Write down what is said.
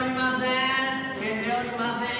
透けておりません。